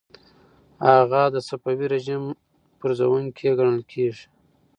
هغه د صفوي رژیم پرزوونکی ګڼل کیږي.